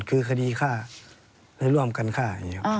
คือคดีฆ่าและร่วมกันฆ่า